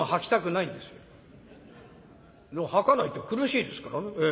でも吐かないと苦しいですからね。